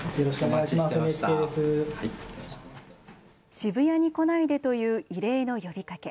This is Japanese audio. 渋谷に来ないでという異例の呼びかけ。